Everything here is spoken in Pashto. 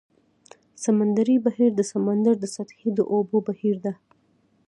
سمندري بهیر د سمندر د سطحې د اوبو بهیر دی.